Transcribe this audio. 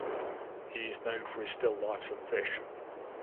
He is known for his still lifes of fish.